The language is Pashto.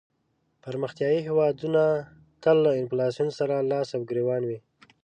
پرمختیایې هېوادونه تل له انفلاسیون سره لاس او ګریوان وي.